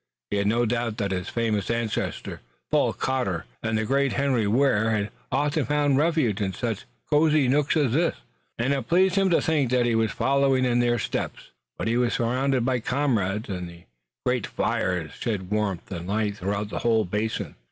He had no doubt that his famous ancestor, Paul Cotter, and the great Henry Ware had often found refuge in such cosy nooks as this, and it pleased him to think that he was following in their steps. But he was surrounded by comrades and the great fires shed warmth and light throughout the whole basin.